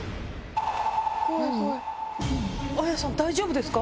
綾さん大丈夫ですか？